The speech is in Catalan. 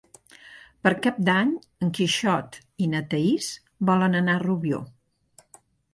Per Cap d'Any en Quixot i na Thaís volen anar a Rubió.